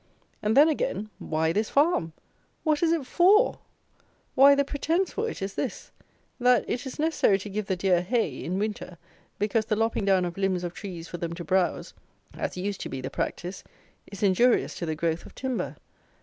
And then, again, why this farm? What is it for? Why, the pretence for it is this: that it is necessary to give the deer hay, in winter, because the lopping down of limbs of trees for them to browse (as used to be the practice) is injurious to the growth of timber.